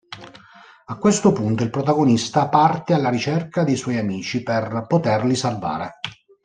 A questo punto il protagonista parte alla ricerca dei suoi amici per poterli salvare.